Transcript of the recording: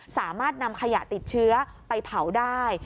สามารถนำขยะติดเชื้อไปเผาได้